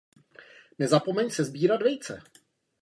Nezapomeň sesbírat vejce.